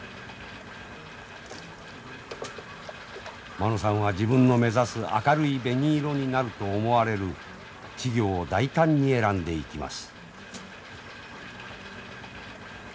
間野さんは自分の目指す明るい紅色になると思われる稚魚を大胆に選んでいきます。